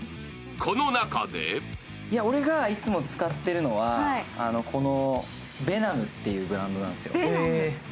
この中で俺がいつも使っているのは、このベナムっていうブランドなんですよ。